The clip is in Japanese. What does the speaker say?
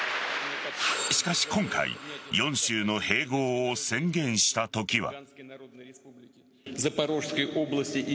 しかし今回４州の併合を宣言したときは。